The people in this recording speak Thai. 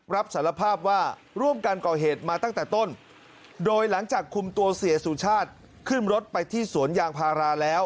รับสารภาพว่าร่วมกันก่อเหตุมาตั้งแต่ต้นโดยหลังจากคุมตัวเสียสุชาติขึ้นรถไปที่สวนยางพาราแล้ว